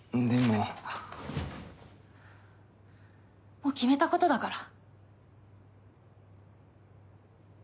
もう決めたことだから。